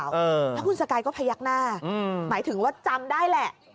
แล้วคุณสกายก็พยักหน้าหมายถึงว่าจำได้แหละ